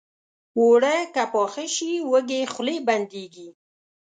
اوړه که پاخه شي، وږې خولې بندېږي